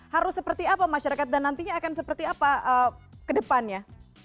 harus seperti apa masyarakat dan nantinya akan seperti apa ke depannya